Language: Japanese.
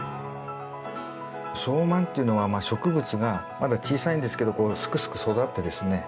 小満というのは植物がまだ小さいんですけどこうすくすく育ってですね